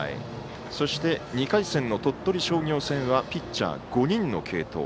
そして、２回戦の鳥取商業戦はピッチャー、５人の継投。